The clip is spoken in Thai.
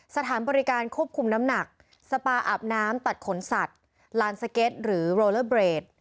สถานบริการควบคุมน้ำหนักสปาอาบน้ำตัดขนสัตว์ลานสเก็ตหรือโรเลอร์เบรด